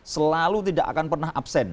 selalu tidak akan pernah absen